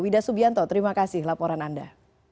wida subianto terima kasih laporan anda